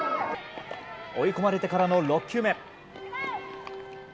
追い込まれてからの６球目。